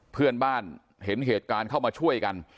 เพื่อนบ้านเห็นเหตุการณ์เข้ามาช่วยกัน